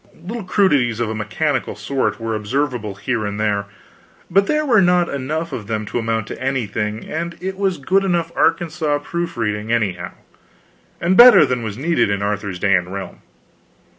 Little crudities of a mechanical sort were observable here and there, but there were not enough of them to amount to anything, and it was good enough Arkansas proof reading, anyhow, and better than was needed in Arthur's day and realm.